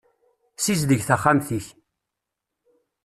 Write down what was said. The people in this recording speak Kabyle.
Sizdeg taxxamt-ik.